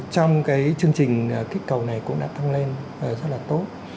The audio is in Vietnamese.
trong cái chương trình kích cầu này cũng đã tăng lên rất là tốt